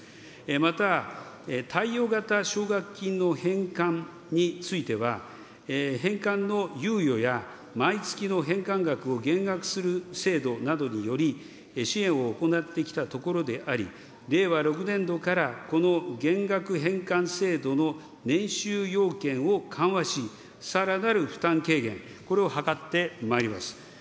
また、貸与型奨学金の返還については、返還の猶予や、毎月の返還額を減額する制度などにより、支援を行ってきたところであり、令和６年度からこの減額返還制度の年収要件を緩和し、さらなる負担軽減、これを図ってまいります。